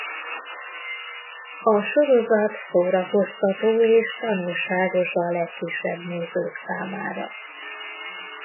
A sorozat szórakoztató és tanulságos a legkisebb nézők számára.